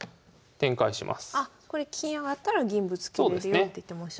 これ金上がったら銀ぶつけれるよって言ってましたね。